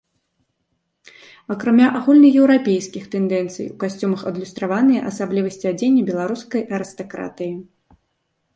Акрамя агульнаеўрапейскіх тэндэнцый у касцюмах адлюстраваныя асаблівасці адзення беларускай арыстакратыі.